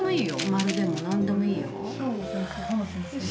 丸でも何でもいいよ。